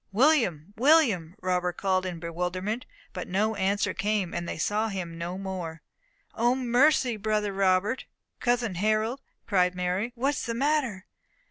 "William! William!" Robert called in bewilderment; but no answer came, and they saw him no more. "O mercy! Brother Robert! cousin Harold!" cried Mary, "what is the matter?"